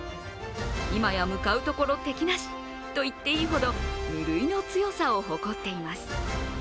今や向かうところ敵なしと言っていいほど無類の強さを誇っています。